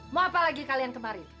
mau apa lagi kalian kemari